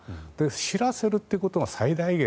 知らせるっていうことが最大限。